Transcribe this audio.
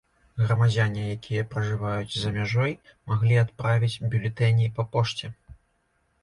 Грамадзяне, якія пражываюць за мяжой, маглі адправіць бюлетэні па пошце.